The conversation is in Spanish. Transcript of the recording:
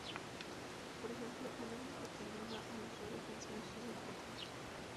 Por ejemplo, un amigo que anima al usuario a conseguir sus objetivos.